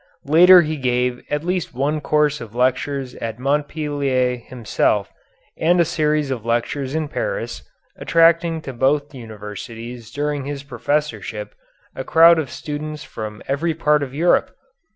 Later he gave at least one course of lectures at Montpellier himself and a series of lectures in Paris, attracting to both universities during his professorship a crowd of students from every part of Europe.